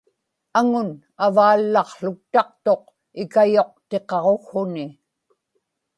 aŋun avaallaqłuktaqtuq ikayuqtiqaġukhuni